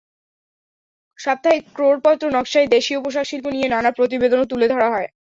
সাপ্তাহিক ক্রোড়পত্র নকশায় দেশীয় পোশাকশিল্প নিয়ে নানা প্রতিবেদনও তুলে ধরা হয়।